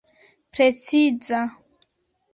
preciza